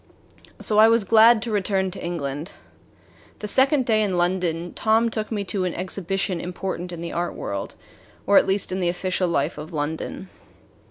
So I was glad to return to England. The second day in London, Tom took me to an exhibition important in the art world, or at least in the official life of London.